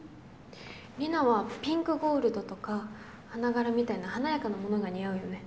リナはピンクゴールドとか花柄みたいな華やかなものが似合うよね。